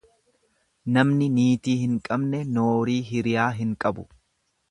Namni niitii hin qabne noorii hiriyaa hin qabu.